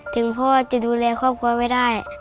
ถึงพ่อจะดูแลครอบครัวไม่ได้